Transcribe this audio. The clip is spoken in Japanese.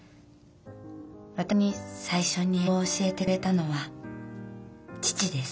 私に最初に英語を教えてくれたのは父です。